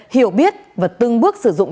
hiểu biết và từng bước sử dụng